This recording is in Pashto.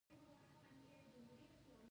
آیا د زعفرانو پیاز را ایستل اړین دي؟